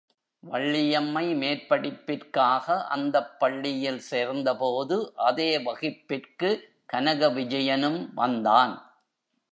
வள்ளியம்மை மேற்படிப்பிற்காக அந்தப் பள்ளியில் சேர்ந்த போது அதே வகுப்பிற்கு கனக விஜயனும் வந்தான்.